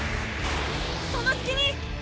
その隙に！